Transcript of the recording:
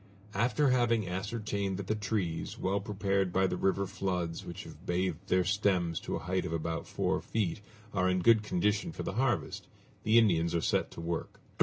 After having ascertained that the trees, well prepared by the river floods which have bathed their stems to a height of about four feet, are in good condition for the harvest, the Indians are set to work.